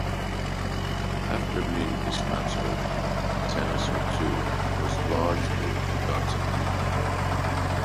After being dismantled, "Tennis for Two" was largely forgotten.